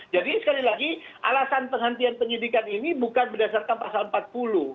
jadi sekali lagi alasan penghentian penyidikan ini bukan berdasarkan pasal empat puluh